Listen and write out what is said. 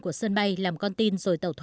của sân bay làm con tin